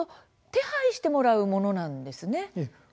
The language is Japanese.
手配してもらうものなんですね。